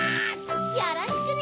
・よろしくね！